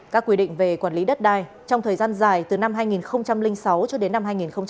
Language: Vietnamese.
các quy định về quản lý đất đai trong thời gian dài từ năm hai nghìn sáu cho đến năm hai nghìn một mươi